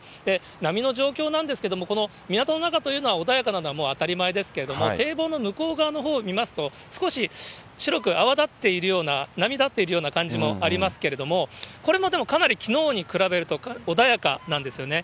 波の状況なんですけど、この港の中というのは穏やかなのはもう当たり前ですけれども、堤防の向こう側のほうを見ますと、少し白く泡立っているような、波立っているような感じもありますけれども、これもでもきのうに比べると、穏やかなんですよね。